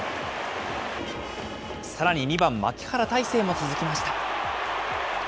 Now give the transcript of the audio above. さらに２番牧原大成も続きました。